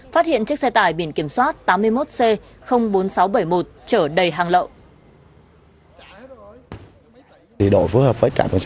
phát hiện chiếc xe tải biển kiểm soát tám mươi một c bốn nghìn sáu trăm bảy mươi một trở đầy hàng lậu